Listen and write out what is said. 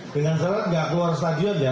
dengan syarat gak keluar stagion ya